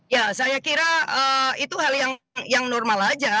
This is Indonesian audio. ya saya kira itu hal yang normal aja